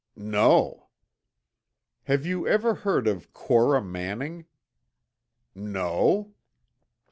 "No." "Have you ever heard of Cora Manning?" "No."